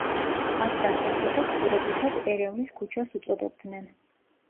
მათ დასახლებას პირობითად „ერევნის ქუჩას“ უწოდებდნენ.